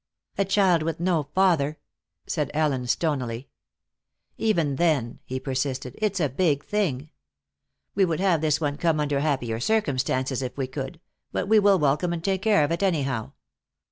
"A child with no father," said Ellen, stonily. "Even then," he persisted, "it's a big thing. We would have this one come under happier circumstances if we could, but we will welcome and take care of it, anyhow.